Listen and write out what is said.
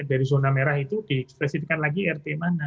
dari zona merah itu di ekspresifikan lagi rt mana